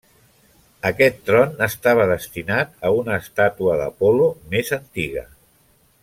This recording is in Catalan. Aquest tron estava destinat a una estàtua d'Apol·lo més antiga.